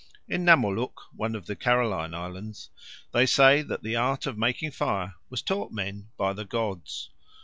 In Namoluk, one of the Caroline Islands, they say that the art of making fire was taught men by the gods.